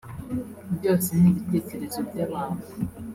Byose ni ibitekerezo by’abantu